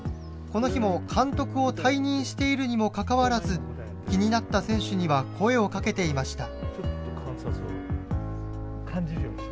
この日も監督を退任しているにもかかわらず気になった選手には声をかけていました。